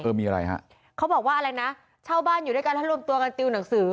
มีอะไรฮะเขาบอกว่าอะไรนะเช่าบ้านอยู่ด้วยกันแล้วรวมตัวกันติวหนังสือ